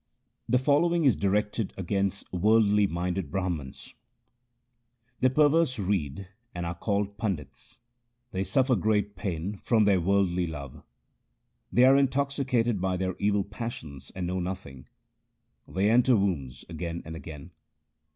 The following is directed against worldly minded Brahmans :— The perverse read and are called pandits ; They suffer great pain from their worldly love ; They are intoxicated by their evil passions and know nothing ; they enter wombs again and again.